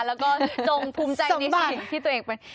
แล้วก็จงภูมิใจในสิ่งที่ตัวเองเป็น